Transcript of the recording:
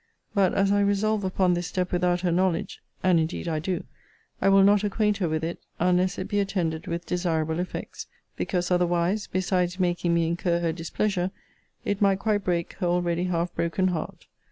But as I resolve upon this step without her knowledge, [and indeed I do,] I will not acquaint her with it, unless it be attended with desirable effects: because, otherwise, besides making me incur her displeasure, it might quite break her already half broken heart.